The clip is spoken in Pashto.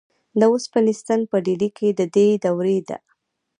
د اوسپنې ستن په ډیلي کې د دې دورې ده.